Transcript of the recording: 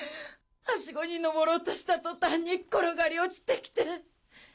ハシゴに登ろうとした途端に転がり落ちてきて。